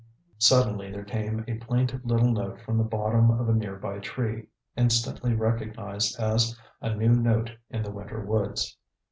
Suddenly there came a plaintive little note from the bottom of a near by tree, instantly recognized as a new note in the winter woods.